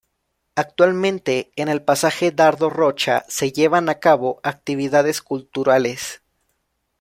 Actualmente, en el Pasaje Dardo Rocha se llevan a cabo actividades culturales.